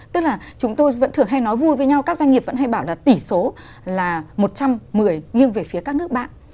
tức là chúng tôi vẫn thường hay nói vui với nhau các doanh nghiệp vẫn hay bảo là tỷ số là một trăm một mươi nghiêng về phía các nước bạn